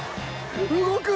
動く！